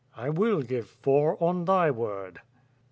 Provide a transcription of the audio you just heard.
"I will give four, on thy word!"